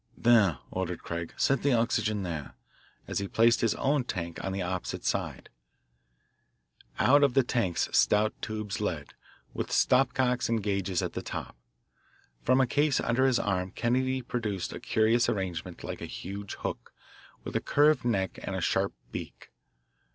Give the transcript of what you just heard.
"There," ordered Craig, "set the oxygen there," as he placed his own tank on the opposite side: Out of the tanks stout tubes led, with stopcocks and gages at the top. From a case under his arm Kennedy produced a curious arrangement like a huge hook, with a curved neck and a sharp beak.